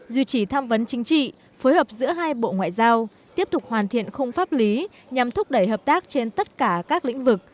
duy trì tham vấn chính trị phối hợp giữa hai bộ ngoại giao tiếp tục hoàn thiện khung pháp lý nhằm thúc đẩy hợp tác trên tất cả các lĩnh vực